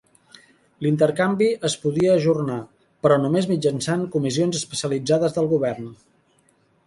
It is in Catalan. L'intercanvi es podria ajornar, però només mitjançant comissions especialitzades del govern.